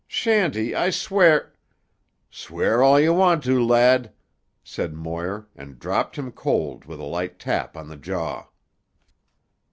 "Shanty, I swear——" "Swear all you want to, lad," said Moir and dropped him cold with a light tap on the jaw.